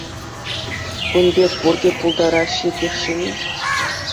Кун пек пурте пултараҫҫӗ тесшӗн-и?